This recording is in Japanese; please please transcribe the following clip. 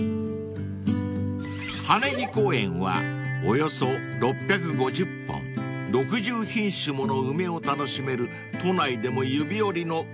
［羽根木公園はおよそ６５０本６０品種もの梅を楽しめる都内でも指折りの梅の名所］